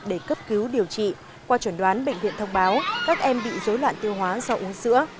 để cấp cứu điều trị qua chuẩn đoán bệnh viện thông báo các em bị dối loạn tiêu hóa do uống sữa